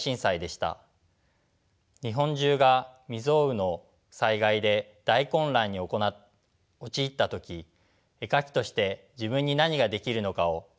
日本中が未曽有の災害で大混乱に陥った時絵描きとして自分に何ができるのかを真剣に考えました。